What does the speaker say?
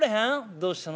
「どうしたの？